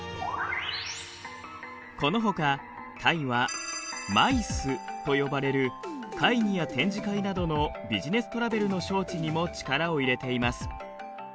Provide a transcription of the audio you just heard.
このほかタイは「ＭＩＣＥ」と呼ばれる会議や展示会などのビジネストラベルの招致にも力を入れています。